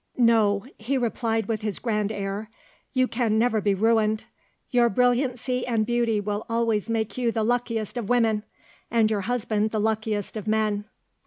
"No," he replied with his grand air, "you can never be ruined. Your brilliancy and beauty will always make you the luckiest of women, and your husband the luckiest of men."